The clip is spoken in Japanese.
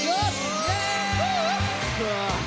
イエーイ！